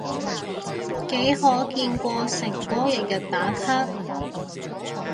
幾可見過誠哥日日打卡？